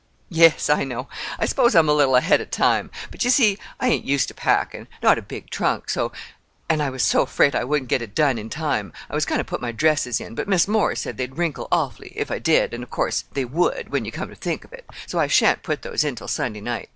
"Yes, I know. I suppose I am a little ahead of time. But you see, I ain't used to packing—not a big trunk, so—and I was so afraid I wouldn't get it done in time. I was going to put my dresses in; but Mis' Moore said they'd wrinkle awfully, if I did, and, of course, they would, when you come to think of it. So I shan't put those in till Sunday night.